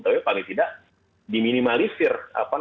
tapi paling tidak diminimalisir